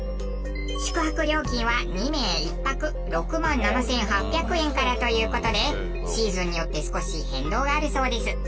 宿泊料金は２名１泊６万７８００円からという事でシーズンによって少し変動があるそうです。